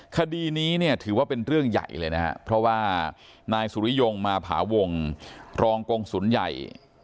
คดีนี้เนี่ยถือว่าเป็นเรื่องใหญ่เลยนะครับเพราะว่านายสุริยงมาผาวงรองกงศูนย์ใหญ่